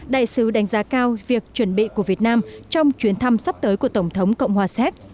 đại sứ đánh giá cao việc chuẩn bị của việt nam trong chuyến thăm sắp tới của tổng thống cộng hòa séc